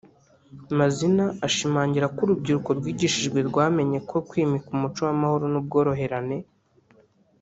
Mazina ashimangira ko urubyiruko rwigishijwe rwamenya ko kwimika umuco w’amahoro n’ubworoherane